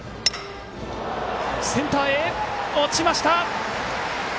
センターへ、落ちました！